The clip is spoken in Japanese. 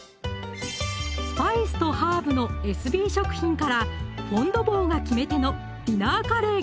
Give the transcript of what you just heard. スパイスとハーブのエスビー食品からフォン・ド・ボーが決め手の「ディナーカレー」